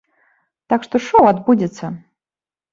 Так што шоў адбудзецца.